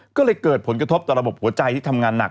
ก็เลยเกิดผลกระทบต่อระบบหัวใจที่ทำงานหนัก